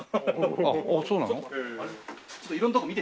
ああそうなのね。